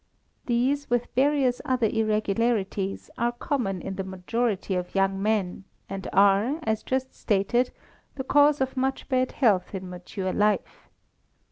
These, with various other irregularities, are common to the majority of young men, and are, as just stated, the cause of much bad health in mature life.